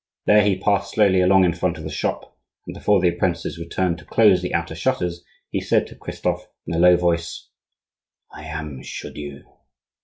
There he passed slowly along in front of the shop, and before the apprentices returned to close the outer shutters he said to Christophe in a low voice:— "I am Chaudieu."